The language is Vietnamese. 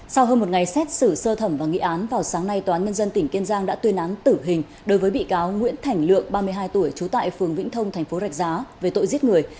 sau hơn một ngày xét xử sơ thẩm và nghị án vào sáng nay tòa án nhân dân tỉnh kiên giang đã tuyên án tử hình đối với bị cáo nguyễn thảnh lượng ba mươi hai tuổi trú tại phường vĩnh thông thành phố rạch giá về tội giết người